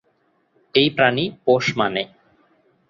এই প্রাণী পোষ মানে।